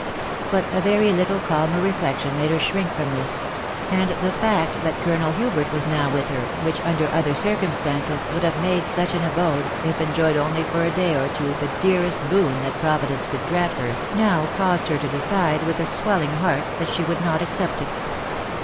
But a very little calmer reflection made i her shrink from this ; and the fact that Colonel Hubert was >; now with her, which, under other circumstances, would have i made such an abode, if enjoyed only for a day or two, the dearest boon that Providence could grant her, now caused her to decide, with a swelling heart, that she would not accept it.